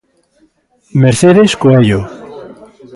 Mercedes Coello.